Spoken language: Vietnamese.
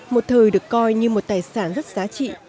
một thời được coi như một tài sản rất giá trị